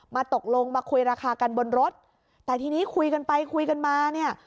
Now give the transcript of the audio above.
ตกลงมาคุยราคากันบนรถแต่ทีนี้คุยกันไปคุยกันมาเนี่ย